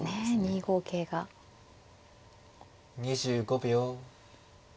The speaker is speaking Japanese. ２５秒。